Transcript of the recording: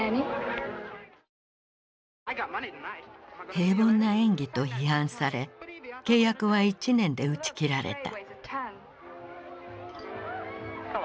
平凡な演技と批判され契約は１年で打ち切られた。